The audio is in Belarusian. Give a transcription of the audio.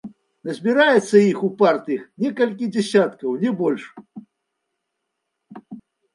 Назбіраецца іх, упартых, некалькі дзесяткаў, не больш.